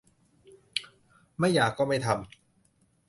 ไม่อยากก็ไม่ทำ